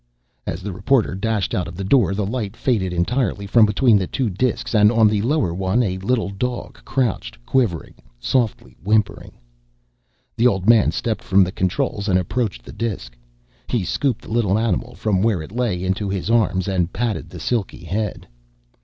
As the reporter dashed out of the door, the light faded entirely from between the two disks and on the lower one a little dog crouched, quivering, softly whimpering. The old man stepped from the controls and approached the disk. He scooped the little animal from where it lay into his arms and patted the silky head.